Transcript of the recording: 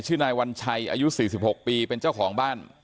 นายวัญชัยอายุ๔๖ปีเป็นเจ้าของบ้าน